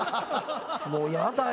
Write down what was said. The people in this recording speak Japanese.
もうやだよ。